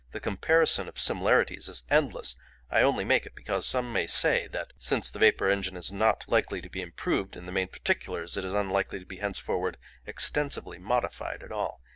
The comparison of similarities is endless: I only make it because some may say that since the vapour engine is not likely to be improved in the main particulars, it is unlikely to be henceforward extensively modified at all.